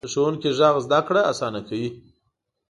د ښوونکي غږ زده کړه اسانه کوي.